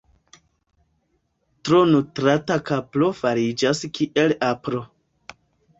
Tro nutrata kapro fariĝas kiel apro.